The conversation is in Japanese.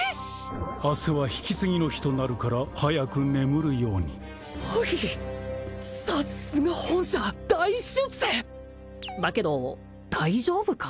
明日は引き継ぎの日となるから早く眠るようにはいさすが本社大出世だけど大丈夫か？